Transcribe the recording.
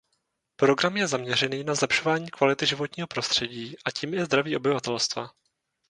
Program je zaměřený na zlepšování kvality životního prostředí a tím i zdraví obyvatelstva.